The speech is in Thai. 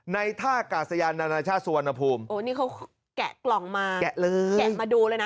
ท่ากาศยานานาชาติสุวรรณภูมิโอ้นี่เขาแกะกล่องมาแกะเลยแกะมาดูเลยนะ